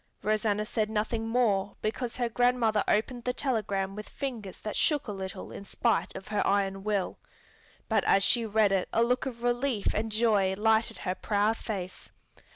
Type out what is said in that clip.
Rosanna said nothing more because her grandmother opened the telegram with fingers that shook a little in spite of her iron will. But as she read it a look of relief and joy lighted her proud face.